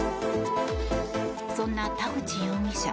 そんな田口容疑者